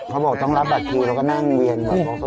เขาบอกต้องรับบัตรคิวแล้วก็นั่งเวียนก่อน